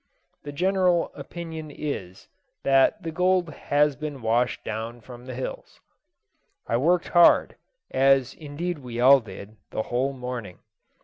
The general opinion is, that the gold has been washed down from the hills. I worked hard, as indeed we all did, the whole morning.